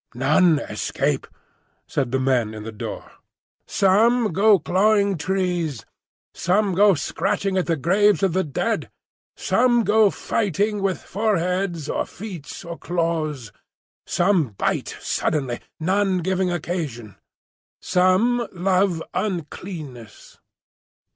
"None escape," said the men in the door. "Some go clawing trees; some go scratching at the graves of the dead; some go fighting with foreheads or feet or claws; some bite suddenly, none giving occasion; some love uncleanness."